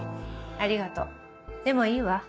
ありがとでもいいわ。